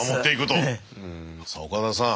さあ岡田さん